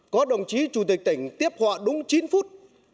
có đồng chí chủ tịch tỉnh tiếp họa đúng chín phút